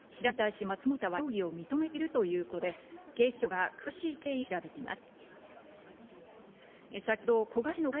調べに対し松本容疑者は容疑を認めているということで警視庁が詳しい経緯を調べています。